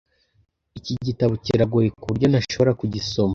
Iki gitabo kiragoye kuburyo ntashobora kugisoma.